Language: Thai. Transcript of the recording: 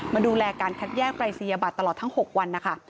มาดูแลการคัดแยกปรายศนียบัตรตลอดทั้ง๖วันนะคะ